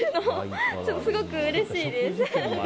すごくうれしいです。